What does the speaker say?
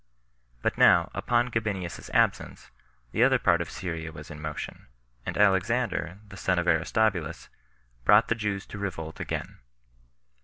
But now, upon Gabinius's absence, the other part of Syria was in motion, and Alexander, the son of Aristobulus, brought the Jews to revolt again.